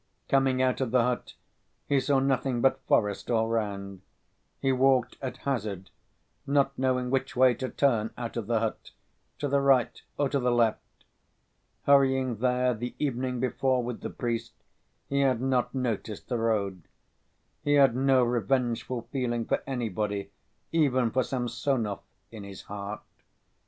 Coming out of the hut he saw nothing but forest all round. He walked at hazard, not knowing which way to turn out of the hut, to the right or to the left. Hurrying there the evening before with the priest, he had not noticed the road. He had no revengeful feeling for anybody, even for Samsonov, in his heart.